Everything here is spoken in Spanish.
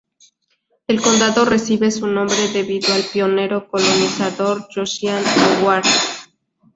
El condado recibe su nombre debido al pionero colonizador Josiah Howard.